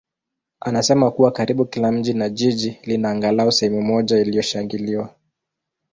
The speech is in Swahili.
anasema kuwa karibu kila mji na jiji lina angalau sehemu moja iliyoshangiliwa.